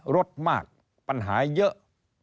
รถมากปัญหาเยอะ